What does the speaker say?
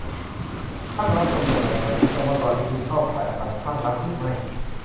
คลั่งรัก เป็นยังไง มาเช็กกันว่าตอนนี้คุณเข้าข่ายอาการคลั่งรักหรือไม่